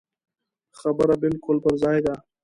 خبره بالکل پر ځای ده.